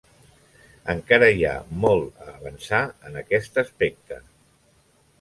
Encara hi ha molt a avançar en aquest aspecte.